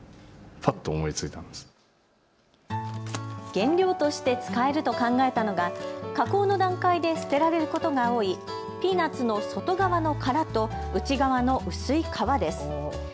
原料として使えると考えたのが加工の段階で捨てられることが多いピーナツの外側の殻と内側の薄い皮です。